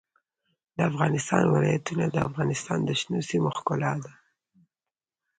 د افغانستان ولايتونه د افغانستان د شنو سیمو ښکلا ده.